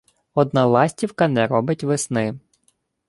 Одна ластівка не робить весни.